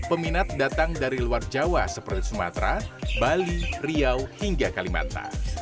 peminat datang dari luar jawa seperti sumatera bali riau hingga kalimantan